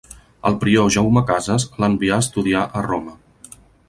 El prior Jaume Cases l'envià a estudiar a Roma.